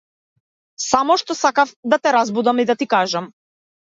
Само што сакав да те разбудам и да ти кажам.